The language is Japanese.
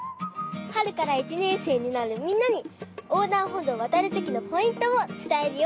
はるから１ねんせいになるみんなにおうだんほどうをわたるときのポイントをつたえるよ！